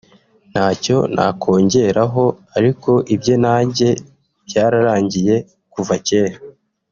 Ntacyo nakongeraho ariko ibye na njye byararangiye kuva kera…